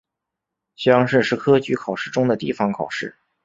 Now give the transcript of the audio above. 乡试是科举考试中的地方考试。